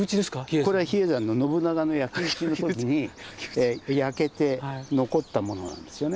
これは比叡山の信長の焼き打ちの時に焼けて残ったものなんですよね。